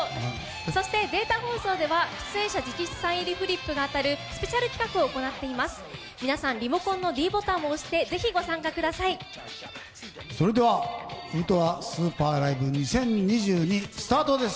そしてデータ放送では出演者直筆サイン入りフリップが当たるスペシャル企画を行っています。